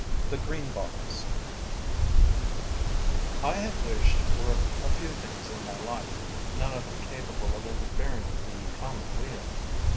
THE GREENBOTTLES I have wished for a few things in my life, none of them capable of interfering with the common weal.